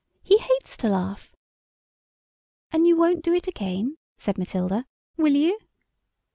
He hates to laugh." "And you won't do it again," said Matilda, "will you?"